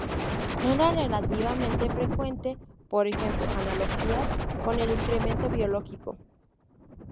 Eran relativamente frecuentes, por ejemplo, analogías con el incremento biológico.